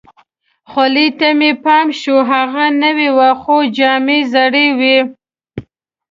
خولۍ ته مې پام شو، هغه نوې وه، خو جامې زړې وي.